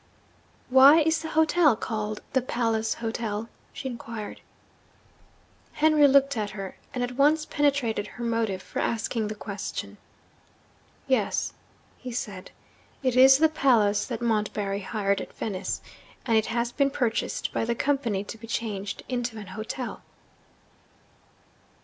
'Why is the hotel called the "Palace Hotel"?' she inquired. Henry looked at her, and at once penetrated her motive for asking the question. 'Yes,' he said, 'it is the palace that Montbarry hired at Venice; and it has been purchased by the Company to be changed into an hotel.'